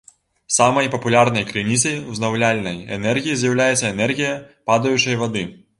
Самай папулярнай крыніцай узнаўляльнай энергіі з'яўляецца энергія падаючай вады.